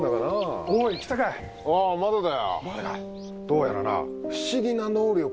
どうやらな。